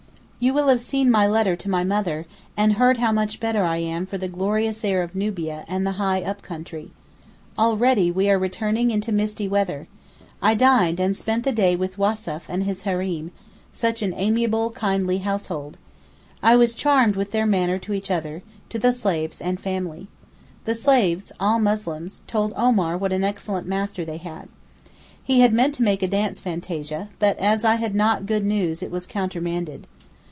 You will have seen my letter to my mother, and heard how much better I am for the glorious air of Nubia and the high up country. Already we are returning into misty weather. I dined and spent the day with Wassef and his Hareem, such an amiable, kindly household. I was charmed with their manner to each other, to the slaves and family. The slaves (all Muslims) told Omar what an excellent master they had. He had meant to make a dance fantasia, but as I had not good news it was countermanded.